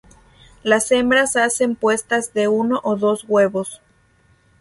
Las hembras hacen puestas de uno o dos huevos.